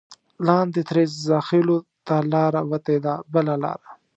لاندې ترې زاخېلو ته لاره وتې ده بله لاره.